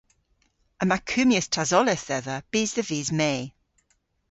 Yma kummyas tasoleth dhedha bys dhe vis Me.